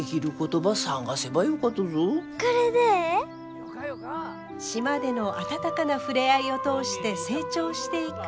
島での温かな触れ合いを通して成長していく舞。